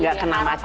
gak kena macet